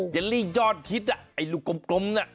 เจลลี่ยอดฮิตลุกลมน่ะ